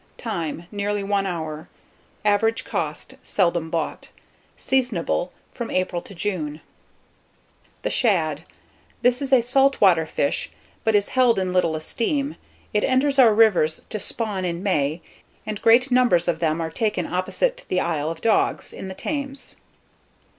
Time. Nearly 1 hour. Average cost. Seldom bought. Seasonable from April to June. [Illustration: THE SHAD.] THE SHAD. This is a salt water fish, but is held in little esteem. It enters our rivers to spawn in May, and great numbers of them are taken opposite the Isle of Dogs, in the Thames.